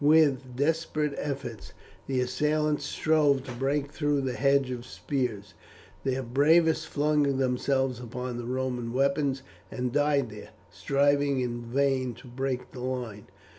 With desperate efforts the assailants strove to break through the hedge of spears; their bravest flung themselves upon the Roman weapons and died there, striving in vain to break the line.